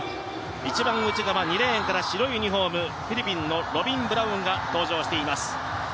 １番内側、２レーンから白いユニフォームフィリピンのロビン・ブラウンが登場しています。